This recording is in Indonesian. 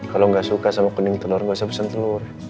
kalau gak suka sama kuning telur gak usah pesen telur